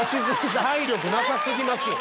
体力なさすぎますよ。